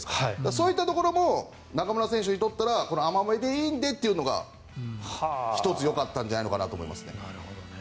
そういうところも中村選手にとったら甘めでいいのでというのが１つよかったんじゃないかと思いますね。